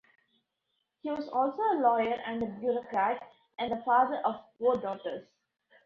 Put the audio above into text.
He was also a lawyer and a bureaucrat and the father of four daughters.